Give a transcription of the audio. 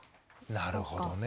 なるほどね。